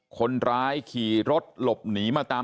คนร้ายขี่รถหลบหนีมาตาม